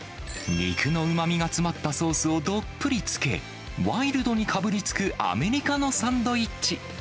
肉のうまみが詰まったソースをどっぷりつけ、ワイルドにかぶりつくアメリカのサンドイッチ。